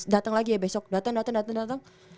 dateng lagi ya besok dateng dateng dateng dateng